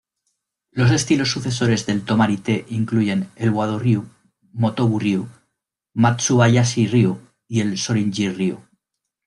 Los estilos sucesores del Tomari-Te incluyen el Wado-ryu, Motobu-ryū, Matsubayashi-ryu y el Shōrinji-ryū.